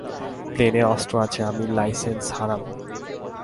প্লেনে অস্ত্র আছে, আমি লাইসেন্স হারাবো।